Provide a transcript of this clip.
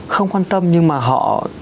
không quan tâm nhưng mà họ